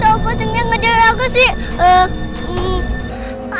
wajunya gak ada apa sih